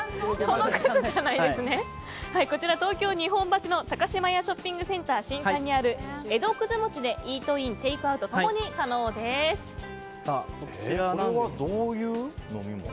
こちら、東京・日本橋の高島屋ショッピングセンター新館にある江戸久寿餅でイートイン、テイクアウトともにこれはどういう飲み物？